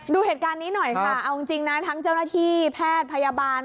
ดูเหตุการณ์นี้หน่อยค่ะเอาจริงนะทั้งเจ้าหน้าที่แพทย์พยาบาล